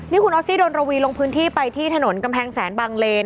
นี่คุณออสซี่ดนระวีลงพื้นที่ไปที่ถนนกำแพงแสนบางเลน